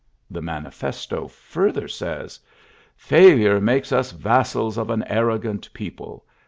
'' rhe manifesto ftirther says: "Failure DOiakes us vassals of an arrogant people.